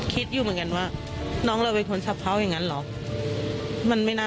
เพื่อการดาบรับในแรงสิน